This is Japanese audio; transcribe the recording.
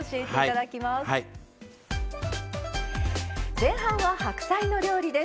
前半は白菜の料理です。